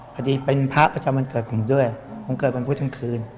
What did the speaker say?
พอดีเป็นพระประจำวันเกิดผมด้วยผมเกิดวันพุธทั้งคืน